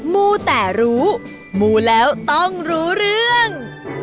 มูแต่รู้มูแล้วต้องรู้เรื่อง